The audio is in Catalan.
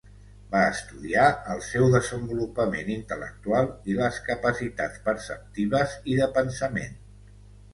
Va estudiar el seu desenvolupament intel·lectual i les capacitats perceptives i de pensament.